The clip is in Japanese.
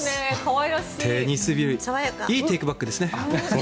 いいテークバックですね。